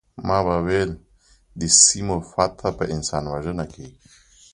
ما به ویل د سیمو فتح په انسان وژنه کیږي